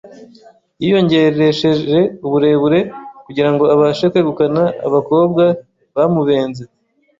Yiyongeresheje uburebure kugira ngo abashe kwegukana abakobwa bamubenze